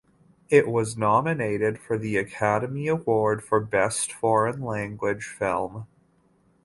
It was nominated for the Academy Award for Best Foreign Language Film.